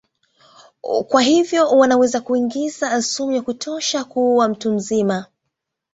Kwa hivyo wanaweza kuingiza sumu ya kutosha kuua mtu mzima.